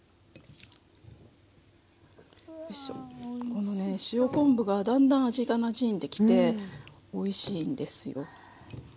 このね塩昆布がだんだん味がなじんできておいしいんですよ。